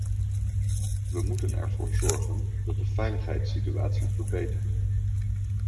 We moeten ervoor zorgen dat de veiligheidssituatie verbetert.